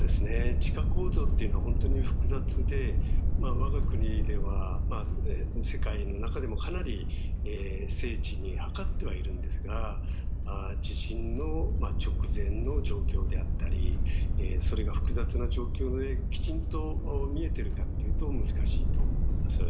地下構造というのは本当に複雑で我が国では世界の中でもかなり精緻に測ってはいるんですが地震の直前の状況であったりそれが複雑な状況できちんと見えてるかっていうと難しいと思います。